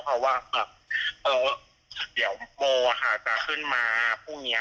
เขาว่าเดี๋ยวโมจะขึ้นมาพรุ่งนี้